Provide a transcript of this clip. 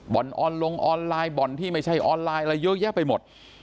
ออนลงออนไลน์บ่อนที่ไม่ใช่ออนไลน์อะไรเยอะแยะไปหมด